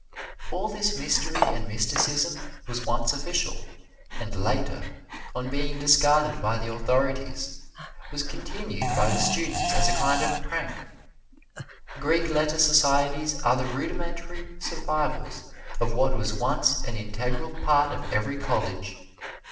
All this mystery and mysticism was once official, and later, on being discarded by the authorities, was continued by the students as a kind of prank. Greek letter societies are the rudimentary survivals of what was once an integral part of every college.